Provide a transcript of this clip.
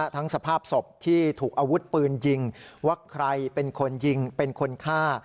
สภาพศพที่ถูกอาวุธปืนยิงว่าใครเป็นคนยิงเป็นคนฆ่า